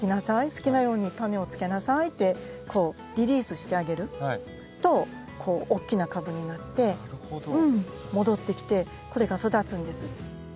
好きなようにタネをつけなさいってリリースしてあげると大きな株になって戻ってきてこれが育つんです。